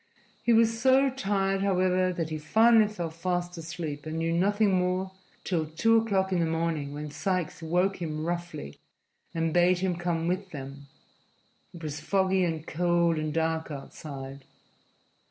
He was so tired, however, that he finally went fast asleep and knew nothing more till two o'clock in the morning, when Sikes woke him roughly and bade him come with them. It was foggy and cold and dark outside.